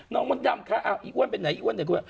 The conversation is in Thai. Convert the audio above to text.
น้องมันดำคะเอาอีกอ้วนเป็นไงอีกอ้วนเป็นคน